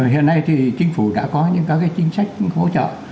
hiện nay thì chính phủ đã có những các chính sách hỗ trợ